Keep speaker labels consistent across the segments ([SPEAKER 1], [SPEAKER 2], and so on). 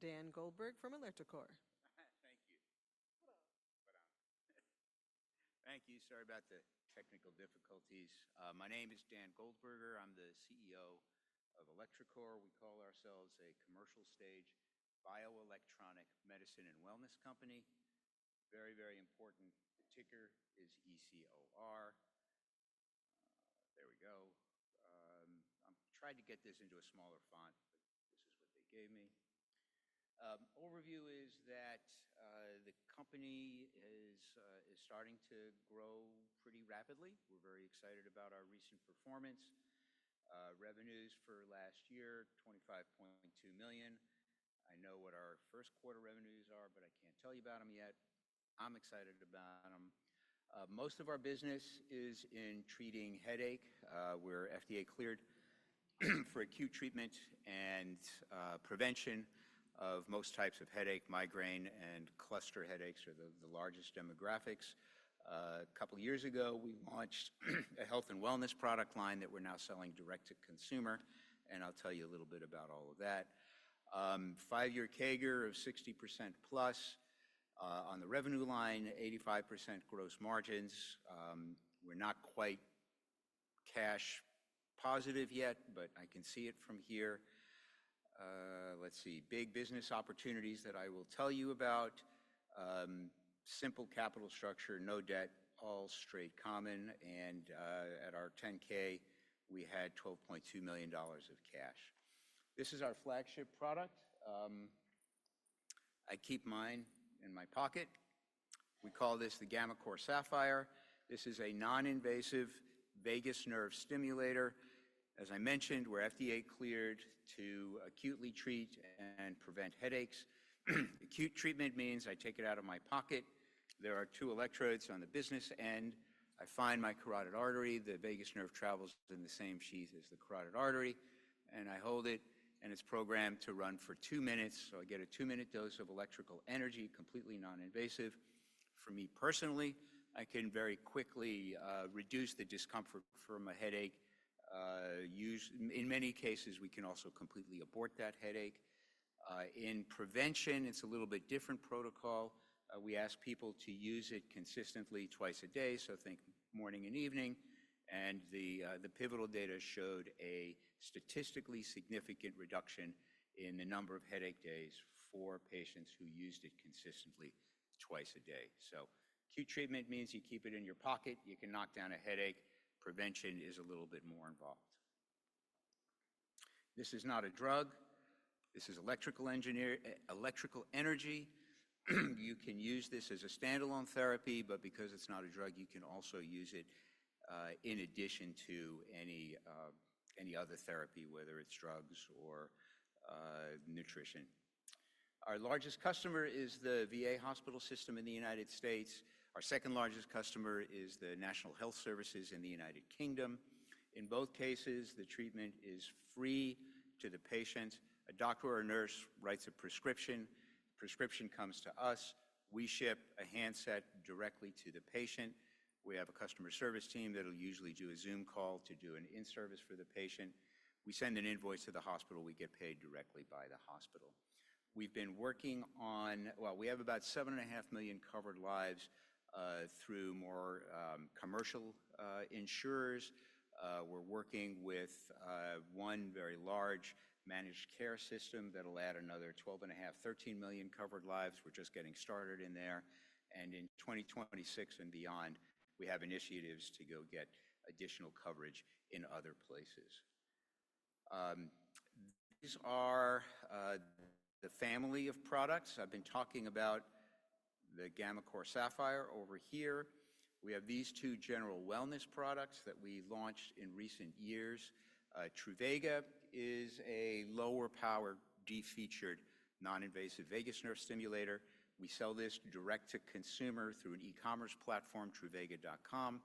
[SPEAKER 1] Dan Goldberger from electroCore.
[SPEAKER 2] Thank you. Sorry about the technical difficulties. My name is Dan Goldberger. I'm the CEO of electroCore. We call ourselves a commercial stage bioelectronic medicine and wellness company. Very, very important ticker is ECOR. There we go. I'm trying to get this into a smaller font, but this is what they gave me. Overview is that the company is starting to grow pretty rapidly. We're very excited about our recent performance. Revenues for last year, $25.2 million. I know what our first quarter revenues are, but I can't tell you about them yet. I'm excited about them. Most of our business is in treating headache. We're FDA cleared for acute treatment and prevention of most types of headache. Migraine and cluster headaches are the largest demographics. A couple of years ago, we launched a health and wellness product line that we're now selling direct to consumer. I'll tell you a little bit about all of that. Five-year CAGR of 60%+ on the revenue line, 85% gross margins. We're not quite cash positive yet, but I can see it from here. Let's see. Big business opportunities that I will tell you about. Simple capital structure, no debt, all straight common. At our 10-K, we had $12.2 million of cash. This is our flagship product. I keep mine in my pocket. We call this the gammaCore Sapphire. This is a non-invasive vagus nerve stimulator. As I mentioned, we're FDA cleared to acutely treat and prevent headaches. Acute treatment means I take it out of my pocket. There are two electrodes on the business end. I find my carotid artery. The vagus nerve travels in the same sheath as the carotid artery. I hold it, and it's programmed to run for two minutes. I get a two-minute dose of electrical energy, completely non-invasive. For me personally, I can very quickly reduce the discomfort from a headache. In many cases, we can also completely abort that headache. In prevention, it is a little bit different protocol. We ask people to use it consistently twice a day, so think morning and evening. The pivotal data showed a statistically significant reduction in the number of headache days for patients who used it consistently twice a day. Acute treatment means you keep it in your pocket. You can knock down a headache. Prevention is a little bit more involved. This is not a drug. This is electrical energy. You can use this as a standalone therapy, but because it is not a drug, you can also use it in addition to any other therapy, whether it is drugs or nutrition. Our largest customer is the VA hospital system in the United States. Our second largest customer is the National Health Service in the United Kingdom. In both cases, the treatment is free to the patient. A doctor or nurse writes a prescription. Prescription comes to us. We ship a handset directly to the patient. We have a customer service team that'll usually do a Zoom call to do an in-service for the patient. We send an invoice to the hospital. We get paid directly by the hospital. We've been working on, I mean, we have about 7.5 million covered lives through more commercial insurers. We're working with one very large managed care system that'll add another 12.5-13 million covered lives. We're just getting started in there. In 2026 and beyond, we have initiatives to go get additional coverage in other places. These are the family of products. I've been talking about the gammaCore Sapphire over here. We have these two general wellness products that we launched in recent years. Truvaga is a lower power deep-featured non-invasive vagus nerve stimulator. We sell this direct to consumer through an e-commerce platform, Truvaga.com.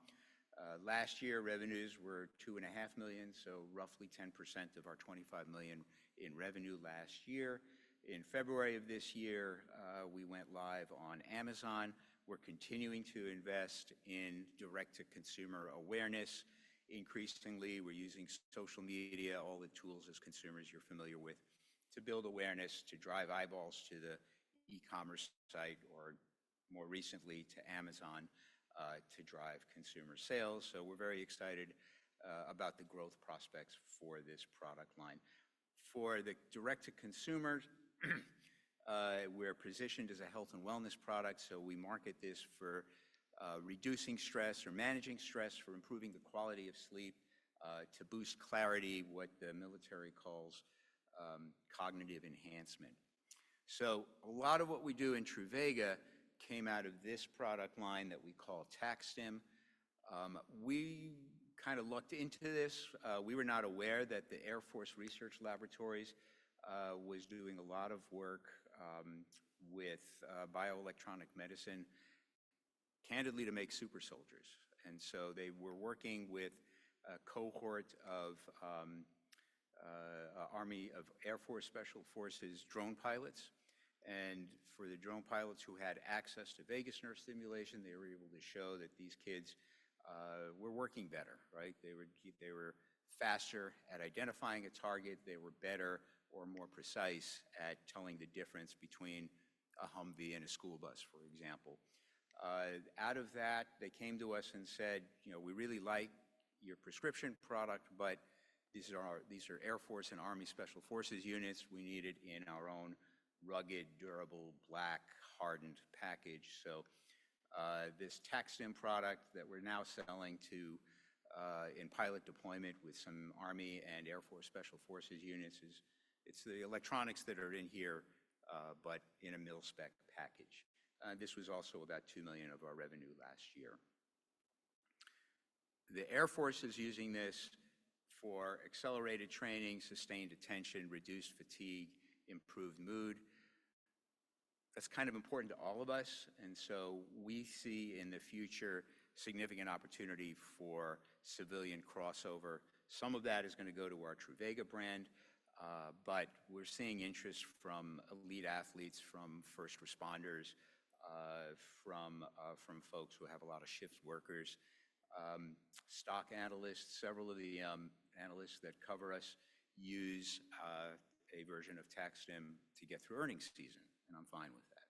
[SPEAKER 2] Last year, revenues were $2.5 million, so roughly 10% of our $25 million in revenue last year. In February of this year, we went live on Amazon. We're continuing to invest in direct-to-consumer awareness. Increasingly, we're using social media, all the tools as consumers you're familiar with, to build awareness, to drive eyeballs to the e-commerce site, or more recently, to Amazon to drive consumer sales. We are very excited about the growth prospects for this product line. For the direct-to-consumer, we're positioned as a health and wellness product. We market this for reducing stress or managing stress, for improving the quality of sleep, to boost clarity, what the military calls cognitive enhancement. A lot of what we do in Truvaga came out of this product line that we call TAC-STIM. We kind of looked into this. We were not aware that the Air Force Research Laboratories was doing a lot of work with bioelectronic medicine, candidly, to make super soldiers. They were working with a cohort of Army and Air Force Special Forces drone pilots. For the drone pilots who had access to vagus nerve stimulation, they were able to show that these kids were working better, right? They were faster at identifying a target. They were better or more precise at telling the difference between a Humvee and a school bus, for example. Out of that, they came to us and said, "We really like your prescription product, but these are Air Force and Army Special Forces units. We need it in our own rugged, durable, black, hardened package." This TaxStim product that we're now selling in pilot deployment with some Army and Air Force Special Forces units, it's the electronics that are in here, but in a mill-spec package. This was also about $2 million of our revenue last year. The Air Force is using this for accelerated training, sustained attention, reduced fatigue, improved mood. That is kind of important to all of us. We see in the future significant opportunity for civilian crossover. Some of that is going to go to our Truvaga brand, but we're seeing interest from elite athletes, from first responders, from folks who have a lot of shift workers. Stock analysts, several of the analysts that cover us, use a version of TAC-STIM to get through earnings season. I'm fine with that.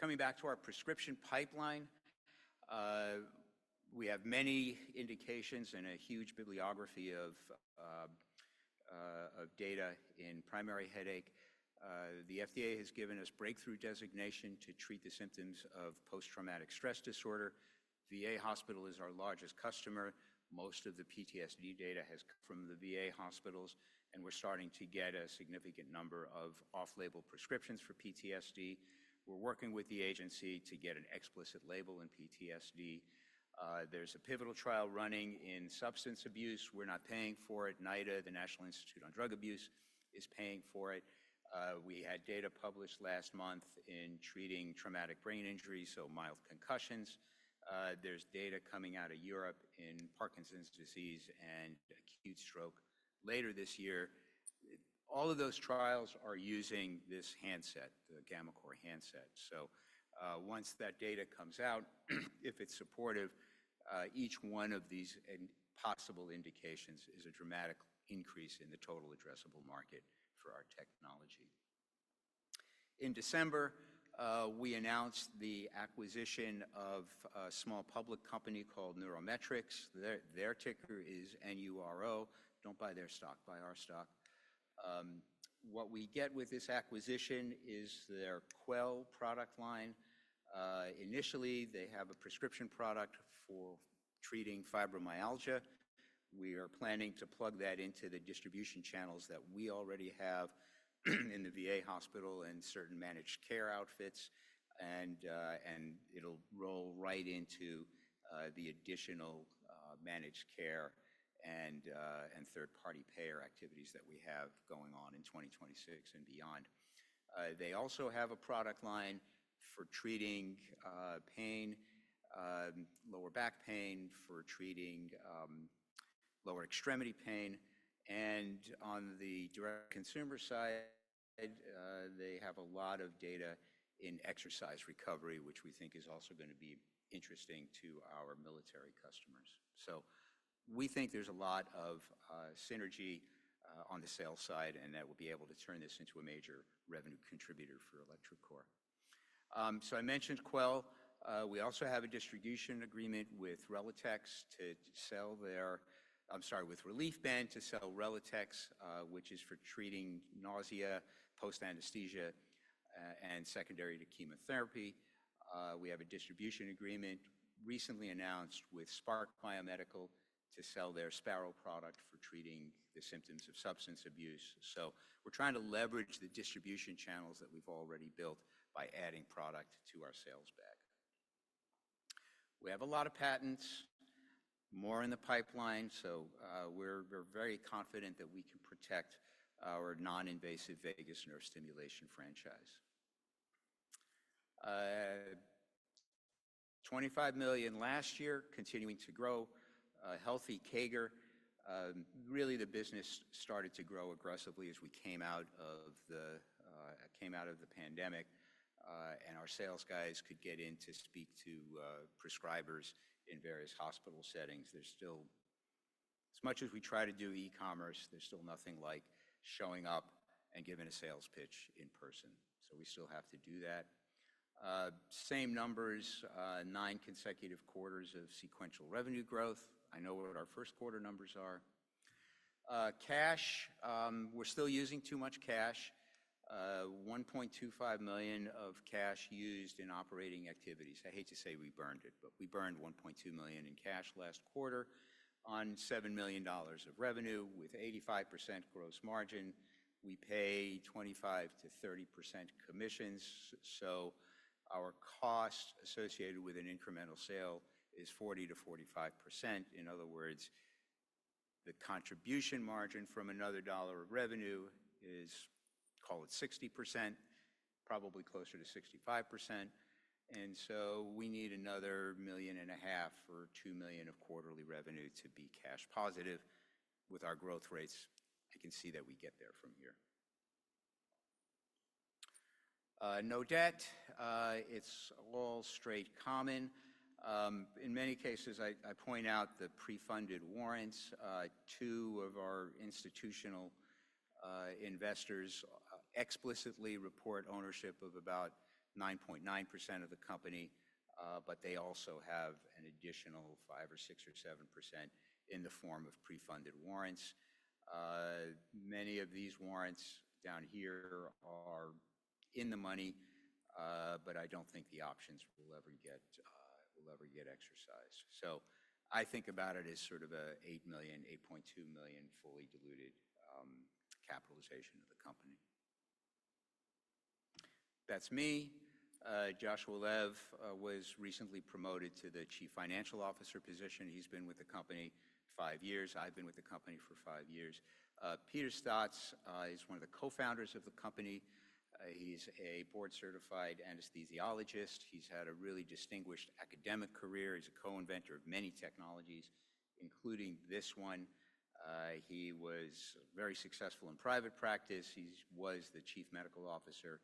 [SPEAKER 2] Coming back to our prescription pipeline, we have many indications and a huge bibliography of data in primary headache. The FDA has given us breakthrough designation to treat the symptoms of post-traumatic stress disorder. VA hospital is our largest customer. Most of the PTSD data has come from the VA hospitals. We're starting to get a significant number of off-label prescriptions for PTSD. We're working with the agency to get an explicit label in PTSD. There's a pivotal trial running in substance abuse. We're not paying for it. NIDA, the National Institute on Drug Abuse, is paying for it. We had data published last month in treating traumatic brain injuries, so mild concussions. There's data coming out of Europe in Parkinson's disease and acute stroke later this year. All of those trials are using this handset, the gammaCore handset. Once that data comes out, if it's supportive, each one of these possible indications is a dramatic increase in the total addressable market for our technology. In December, we announced the acquisition of a small public company called NeuroMetrix. Their ticker is NURO. Don't buy their stock. Buy our stock. What we get with this acquisition is their Quell product line. Initially, they have a prescription product for treating fibromyalgia. We are planning to plug that into the distribution channels that we already have in the VA hospital and certain managed care outfits. It'll roll right into the additional managed care and third-party payer activities that we have going on in 2026 and beyond. They also have a product line for treating pain, lower back pain, for treating lower extremity pain. On the direct consumer side, they have a lot of data in exercise recovery, which we think is also going to be interesting to our military customers. We think there's a lot of synergy on the sales side, and that will be able to turn this into a major revenue contributor for electroCore. I mentioned Quell. We also have a distribution agreement with ReliefBand to sell Relaxis, which is for treating nausea post-anesthesia and secondary to chemotherapy. We have a distribution agreement recently announced with Spark Biomedical to sell their Sparrow product for treating the symptoms of substance abuse. We're trying to leverage the distribution channels that we've already built by adding product to our sales bag. We have a lot of patents, more in the pipeline. We are very confident that we can protect our non-invasive vagus nerve stimulation franchise. $25 million last year, continuing to grow. Healthy CAGR. Really, the business started to grow aggressively as we came out of the pandemic. Our sales guys could get in to speak to prescribers in various hospital settings. As much as we try to do e-commerce, there is still nothing like showing up and giving a sales pitch in person. We still have to do that. Same numbers, nine consecutive quarters of sequential revenue growth. I know what our first quarter numbers are. Cash, we are still using too much cash. $1.25 million of cash used in operating activities. I hate to say we burned it, but we burned $1.2 million in cash last quarter on $7 million of revenue with 85% gross margin. We pay 25%-30% commissions. Our cost associated with an incremental sale is 40%-45%. In other words, the contribution margin from another dollar of revenue is, call it 60%, probably closer to 65%. We need another $1,500,000 or $2 million of quarterly revenue to be cash positive. With our growth rates, I can see that we get there from here. No debt. It is all straight common. In many cases, I point out the pre-funded warrants. Two of our institutional investors explicitly report ownership of about 9.9% of the company, but they also have an additional 5% or 6% or 7% in the form of pre-funded warrants. Many of these warrants down here are in the money, but I do not think the options will ever get exercised. I think about it as sort of an $8 million, $8.2 million fully diluted capitalization of the company. That's me. Joshua Lev was recently promoted to the Chief Financial Officer position. He's been with the company five years. I've been with the company for five years. Peter Staats is one of the co-founders of the company. He's a board-certified anesthesiologist. He's had a really distinguished academic career. He's a co-inventor of many technologies, including this one. He was very successful in private practice. He was the Chief Medical Officer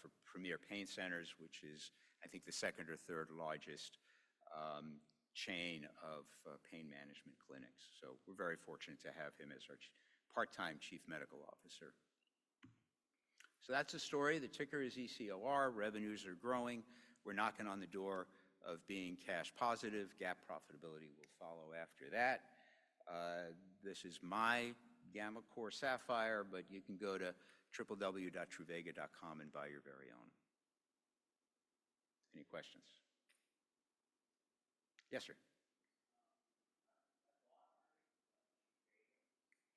[SPEAKER 2] for Premier Pain Centers, which is, I think, the second or third largest chain of pain management clinics. We're very fortunate to have him as our part-time Chief Medical Officer. That's the story. The ticker is ECOR. Revenues are growing. We're knocking on the door of being cash positive. GAAP profitability will follow after that. This is my gammaCore Sapphire, but you can go to www.truvaga.com and buy your very own. Any questions? Yes, sir.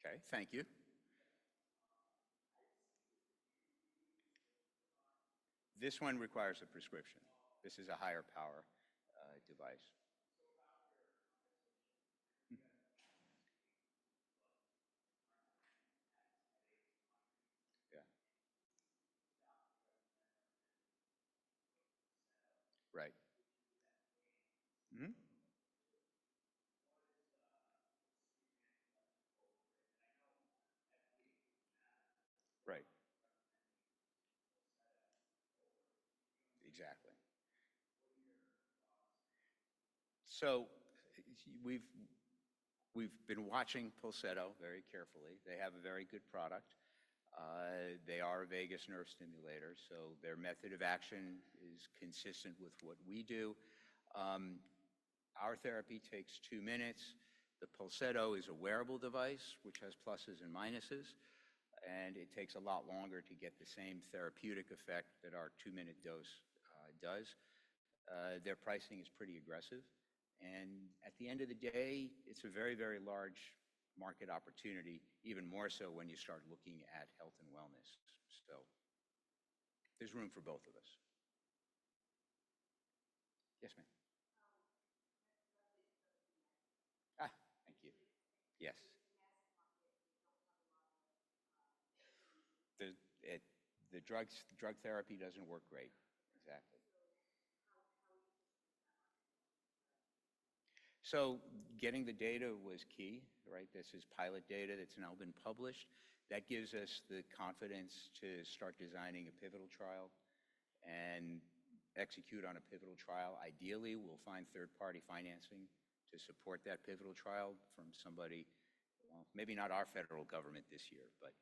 [SPEAKER 2] Okay. Thank you. This one requires a prescription. This is a higher power device. Yeah. Right. We have been watching Pulsetto very carefully. They have a very good product. They are a vagus nerve stimulator. Their method of action is consistent with what we do. Our therapy takes two minutes. The Pulsetto is a wearable device, which has pluses and minuses. It takes a lot longer to get the same therapeutic effect that our two-minute dose does. Their pricing is pretty aggressive. At the end of the day, it is a very, very large market opportunity, even more so when you start looking at health and wellness. There is room for both of us. Yes, ma'am. Thank you. Yes. The drug therapy does not work great. Exactly. Getting the data was key, right? This is pilot data that's now been published. That gives us the confidence to start designing a pivotal trial and execute on a pivotal trial. Ideally, we'll find third-party financing to support that pivotal trial from somebody, maybe not our federal government this year, but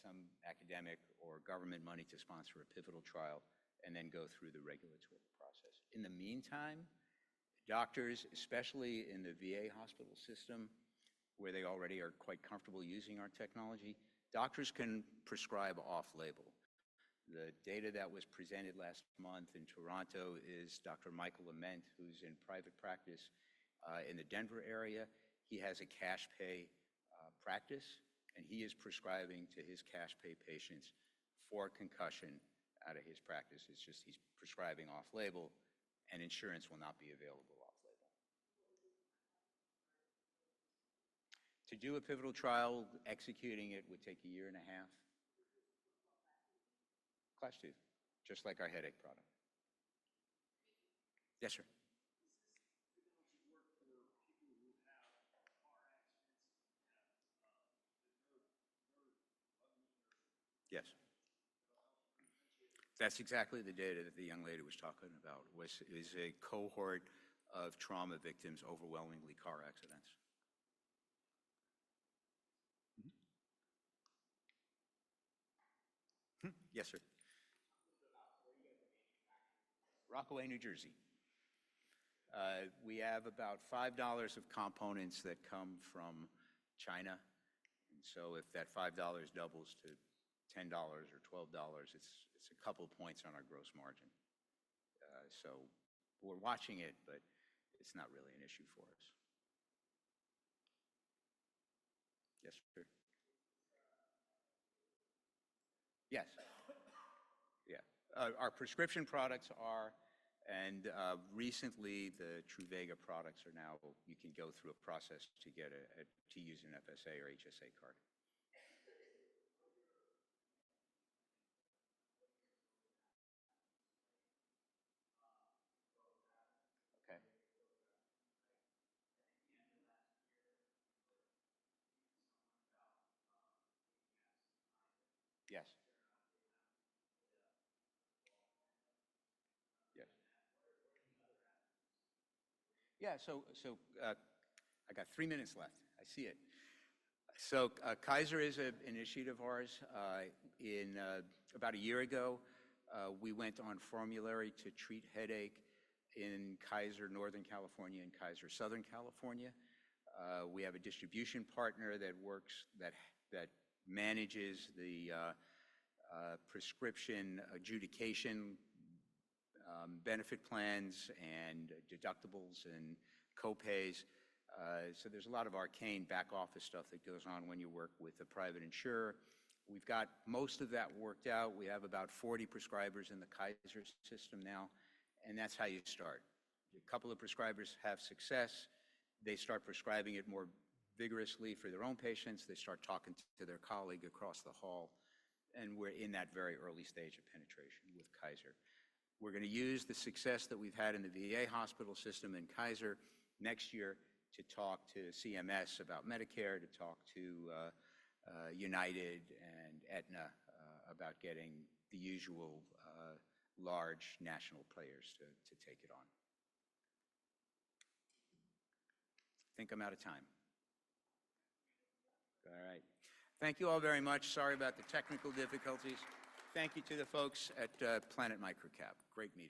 [SPEAKER 2] some academic or government money to sponsor a pivotal trial and then go through the regulatory process. In the meantime, doctors, especially in the VA hospital system where they already are quite comfortable using our technology, doctors can prescribe off-label. The data that was presented last month in Toronto is Dr. Michael Lament, who's in private practice in the Denver area. He has a cash pay practice, and he is prescribing to his cash pay patients for concussion out of his practice. It's just he's prescribing off-label, and insurance will not be available off-label. To do a pivotal trial, executing it would take a year and a half. Class two. Class two, just like our headache product. Yes, sir. Is this technology worked for people who have car accidents and have the nerve abuse? Yes. That's exactly the data that the young lady was talking about. It was a cohort of trauma victims, overwhelmingly car accidents. Yes, sir. Rockaway, New Jersey. We have about $5 of components that come from China. And so if that $5 doubles to $10 or $12, it's a couple of points on our gross margin. We are watching it, but it's not really an issue for us. Yes, sir. Yes. Yeah. Our prescription products are, and recently, the Truvaga products are now you can go through a process to use an FSA or HSA card. Okay. At the end of last year, we heard from someone about the gaps behind it. Yes. Yes. I got three minutes left. I see it. Kaiser is an initiative of ours. About a year ago, we went on formulary to treat headache in Kaiser Northern California and Kaiser Southern California. We have a distribution partner that works, that manages the prescription adjudication benefit plans and deductibles and copays. There is a lot of arcane back office stuff that goes on when you work with a private insurer. We have most of that worked out. We have about 40 prescribers in the Kaiser system now. That is how you start. A couple of prescribers have success. They start prescribing it more vigorously for their own patients. They start talking to their colleague across the hall. We are in that very early stage of penetration with Kaiser. We're going to use the success that we've had in the VA hospital system and Kaiser next year to talk to CMS about Medicare, to talk to United and Aetna about getting the usual large national players to take it on. I think I'm out of time. All right. Thank you all very much. Sorry about the technical difficulties. Thank you to the folks at Planet Microcap. Great people.